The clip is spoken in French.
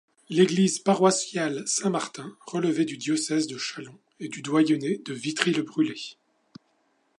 L'église paroissiale Saint-Martin relevait du Diocèse de Châlons et du doyenné de Vitry-le-Brûlé.